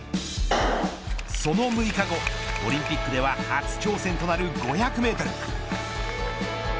その６日後、オリンピックでは初挑戦となる５００メートル。